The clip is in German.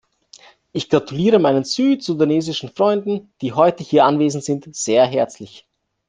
Ich gratuliere meinen südsudanesischen Freunden, die heute hier anwesend sind, sehr herzlich.